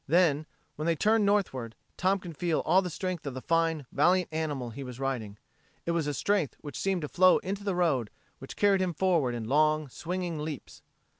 Then, when they turned northward, Tom could feel all the strength of the fine, valiant animal he was riding. It was a strength which seemed to flow into the road, which carried him forward in long, swinging leaps.